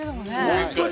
◆本当に。